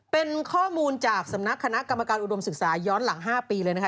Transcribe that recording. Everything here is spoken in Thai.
เป็นข้อมูลจากสำนักคณะกรรมการอุดมศึกษาย้อนหลัง๕ปีเลยนะคะ